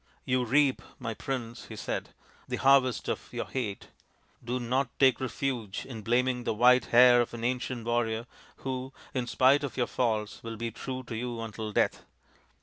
" You reap, my prince," he said, " the harvest of your hate. Do not take refuge in blaming the white hair of an ancient warrior who, in spite of your faults, will be true to you until death.